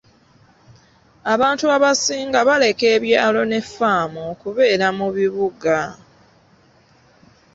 Abantu abasinga baleka ebyalo ne ffaamu okubeera mu bibuga.